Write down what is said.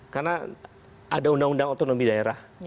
karena ada undang undang otonomi daerah